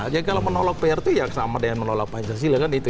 jadi kalau menolak prp ya sama dengan menolak pancasila kan itu